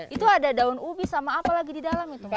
itu ada daun ubi sama apa lagi di dalam itu mama